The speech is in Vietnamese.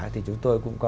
thì chúng tôi cũng có